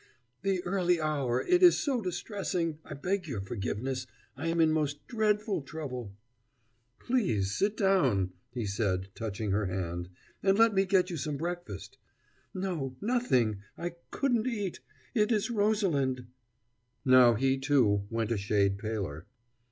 "The early hour it is so distressing I beg your forgiveness I am in most dreadful trouble " "Please sit down," he said, touching her hand, "and let me get you some breakfast." "No, nothing I couldn't eat it is Rosalind " Now he, too, went a shade paler.